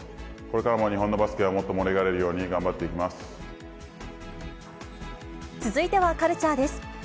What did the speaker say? これからも日本のバスケがもっと盛り上げるように頑張っていきま続いてはカルチャーです。